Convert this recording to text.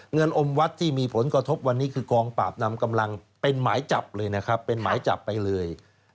เงินอมวัดที่มีผลกระทบวันนี้คือกองปราบนำกำลังเป็นหมายจับเลยนะครับเป็นหมายจับไปเลย